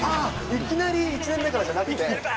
いきなり１年目からじゃなくて？